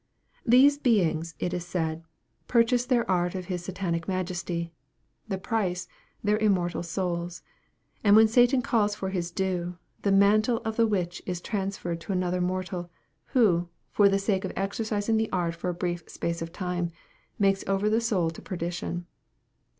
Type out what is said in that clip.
These beings, it is said, purchase their art of his satanic majesty the price, their immortal souls, and when Satan calls for his due, the mantle of the witch is transferred to another mortal, who, for the sake of exercising the art for a brief space of time, makes over the soul to perdition.